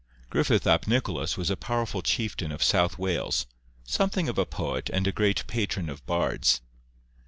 Griffith ap Nicholas was a powerful chieftain of South Wales, something of a poet and a great patron of bards.